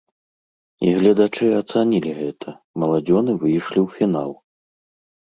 І гледачы ацанілі гэта, маладзёны выйшлі ў фінал.